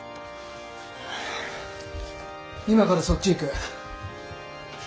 今からそっち行く。